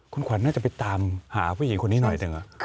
คุณขวัญน่าจะไปตามหาผู้หญิงคนนี้หน่อยหนึ่ง